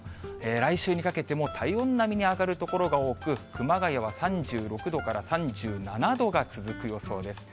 来週にかけても体温並みに上がる所が多く、熊谷は３６度から３７度が続く予想です。